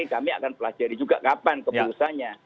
kami akan pelajari juga kapan keputusannya